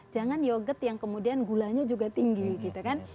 jangan yogurt yang kemudian gulanya juga tinggi gitu kan